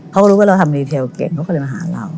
เขาก็รู้ว่าเราทำรีเทลเก่งเขาก็เลยมาหาเรา